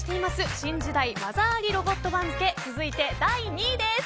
新時代技ありロボット番付続いて、第２位です。